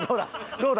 どうだ？